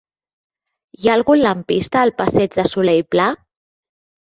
Hi ha algun lampista al passeig de Solé i Pla?